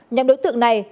nhằm đối tượng này